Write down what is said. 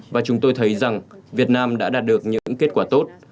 và chúng tôi thấy rằng việt nam đã đạt được những kết quả tốt